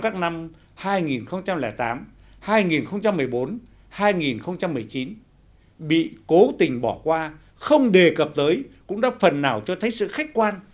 các năm hai nghìn tám hai nghìn một mươi bốn hai nghìn một mươi chín bị cố tình bỏ qua không đề cập tới cũng đã phần nào cho thấy sự khách quan